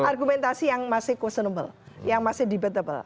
ini argumentasi yang masih questionable yang masih debatable